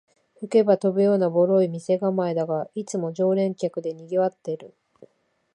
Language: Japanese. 吹けば飛ぶようなボロい店構えだが、いつも常連客でにぎわってる